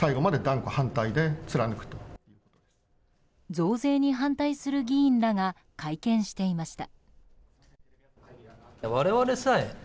増税に反対する議員らが会見していました。